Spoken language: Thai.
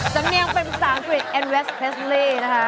จันเมียงเป็นฝรั่งกรีดเอ็นเวสเพสลี่นะฮะ